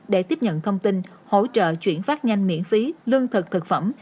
để tiếp nhận thông tin hỗ trợ chuyển phát nhanh miễn phí lương thực thực phẩm